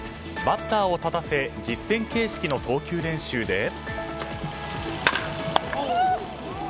バッターを立たせ実戦形式の投球練習で。